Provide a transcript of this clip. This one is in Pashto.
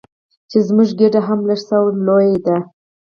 چې زموږ ګېډې هم لږ څه لویې دي.